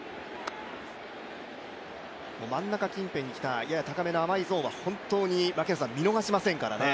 真ん中近辺に来た、やや高めの甘いゾーンは見逃しませんからね。